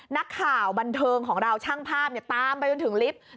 นักข่าวบันเทิงของเราช่างภาพตามไปจนถึงลิฟต์